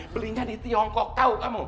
belinya di tiongkok tahu kamu